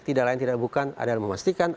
tidak lain tidak bukan adalah memastikan